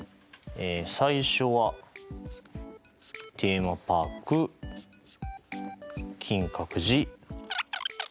最初はテーマパーク金閣寺。